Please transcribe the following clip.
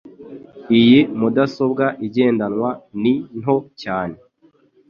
Iyi mudasobwa igendanwa ni nto cyane